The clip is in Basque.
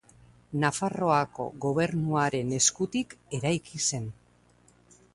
Nafarroako Gobernuaren eskutik eraiki zen.